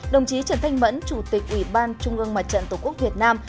đồng chí trần thanh mẫn chủ tịch ủy ban trung ương mặt trận tổ quốc việt nam